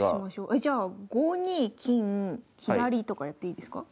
えじゃあ５二金左とかやっていいですか？